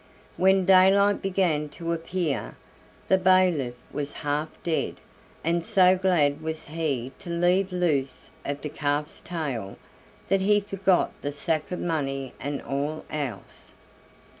When daylight began to appear, the bailiff was half dead; and so glad was he to leave loose of the calf's tail, that he forgot the sack of money and all else.